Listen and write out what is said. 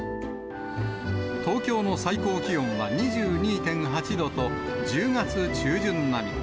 東京の最高気温は２２．８度と、１０月中旬並み。